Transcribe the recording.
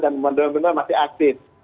dan benar benar masih aktif